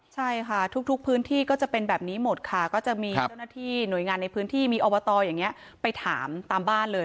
ใช่ค่ะทุกพื้นที่ก็จะเป็นแบบนี้หมดค่ะก็จะมีเจ้าหน้าที่หน่วยงานในพื้นที่มีอบตอย่างนี้ไปถามตามบ้านเลย